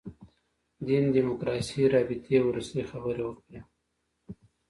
دین دیموکراسي رابطې وروستۍ خبره وکړي.